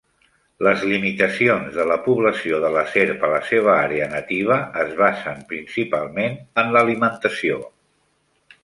Les limitacions de la població de la serp a la seva àrea nativa es basen principalment en l'alimentació.